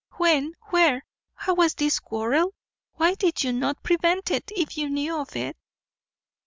When, where, how was this quarrel? why did you not prevent it if you knew of it?